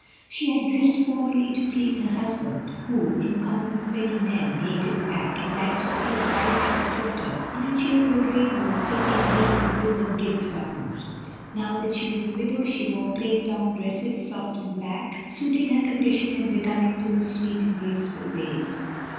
She had dressed formerly to please her husband, who, in common with many men, hated black, and liked to see his wife and his daughter in a cheerful rainbow of pink and green and blue and gilt buttons. Now that she was a widow she wore plain long dresses, soft and black, suiting her condition and becoming to her sweet and graceful ways.